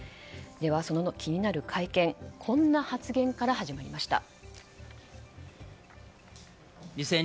その気になる会見こんな発言から始まりました。